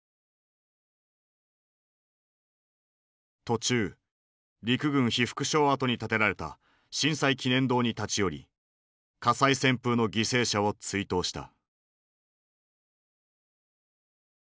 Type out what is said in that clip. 途中陸軍被服廠跡に建てられた震災記念堂に立ち寄り火災旋風の犠牲者を追悼した。